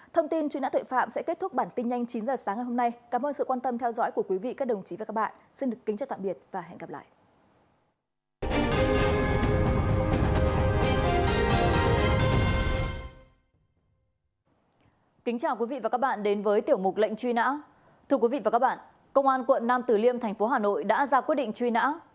thông tin chuyên án thuệ phạm sẽ kết thúc bản tin nhanh chín h sáng ngày hôm nay